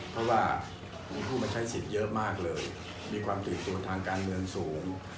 เพราะว่ามีผู้มาใช้สิทธิ์เยอะมากเลยมีความตื่นตัวทางการเมืองสูง